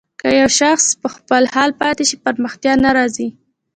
که يو شاخص په خپل حال پاتې شي پرمختيا نه راځي.